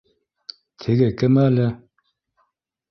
Теге кем әле